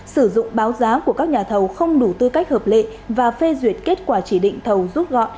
sử dụng báo giá của các nhà thầu không đủ tư cách hợp lệ và phê duyệt kết quả chỉ định thầu rút gọn